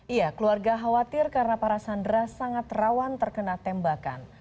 iya keluarga khawatir karena para sandera sangat rawan terkena tembakan